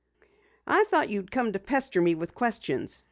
"I thought you came to pester me with questions.